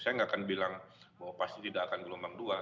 saya nggak akan bilang bahwa pasti tidak akan gelombang dua